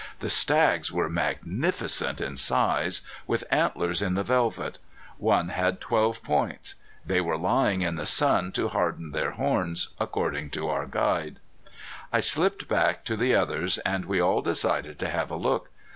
The stags were magnificent in size, with antlers in the velvet. One had twelve points. They were lying in the sun to harden their horns, according to our guide. I slipped back to the others, and we all decided to have a look.